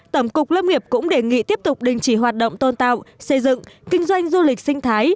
tổng cục lâm nghiệp cũng đề nghị tiếp tục đình chỉ hoạt động tôn tạo xây dựng kinh doanh du lịch sinh thái